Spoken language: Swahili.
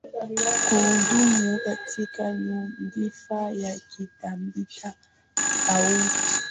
kuhudumu katika nyadhifa za kikatiba hatua